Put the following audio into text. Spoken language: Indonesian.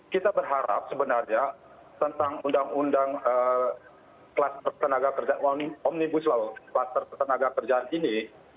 kita berharap sebenarnya tentang undang undang klaster tenaga kerja omnibus klaster tenaga kerjaan ini